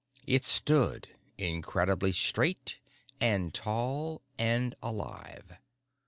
It stood, incredibly straight and tall and alive.